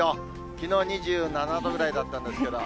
きのう２７度くらいだったんですけど。